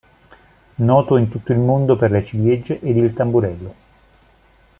Noto in tutto il mondo per le ciliegie ed il Tamburello.